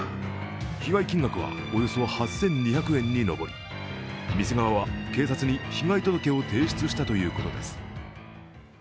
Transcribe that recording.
被害金額はおよそ８２００円に上り店側は、警察に被害届を提出したということです。